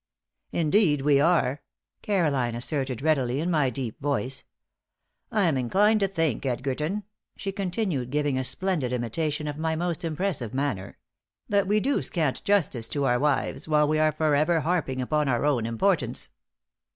"Indeed we are," Caroline asserted, readily, in my deep voice. "I'm inclined to think, Edgerton," she continued, giving a splendid imitation of my most impressive manner, "that we do scant justice to our wives, while we are forever harping upon our own importance."